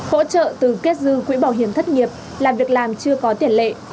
hỗ trợ từ kết dư quỹ bảo hiểm thất nghiệp là việc làm chưa có tiền lệ